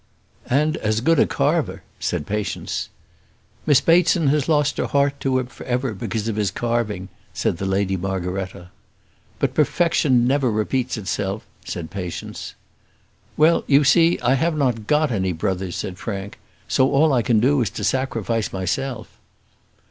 "And as good a carver," said Patience. "Miss Bateson has lost her heart to him for ever, because of his carving," said the Lady Margaretta. "But perfection never repeats itself," said Patience. "Well, you see, I have not got any brothers," said Frank; "so all I can do is to sacrifice myself."